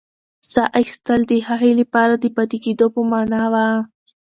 ساه اخیستل د هغې لپاره د پاتې کېدو په مانا وه.